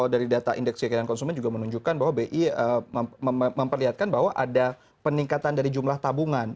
dari data indeks keyakinan konsumen juga menunjukkan bahwa bi memperlihatkan bahwa ada peningkatan dari jumlah tabungan